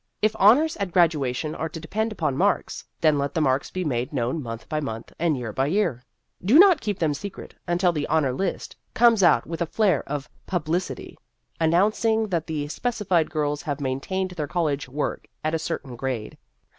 If honors at graduation are to depend upon marks, then let the marks be made known month by month and year by year. Do not keep them secret until the "honor list" comes out with a flare of publicity, announcing that specified girls have maintained their college work at a certain grade.